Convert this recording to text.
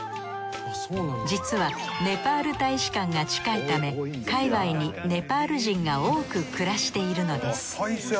実はネパール大使館が近いため界わいにネパール人が多く暮らしているのです。